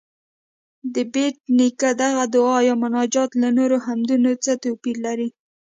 د بېټ نیکه دغه دعا یا مناجات له نورو حمدونو څه توپیر لري؟